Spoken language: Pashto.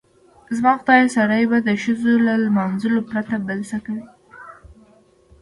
زما خدایه سړی به د ښځو له لمانځلو پرته بل څه کوي؟